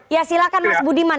ya silakan mas budiman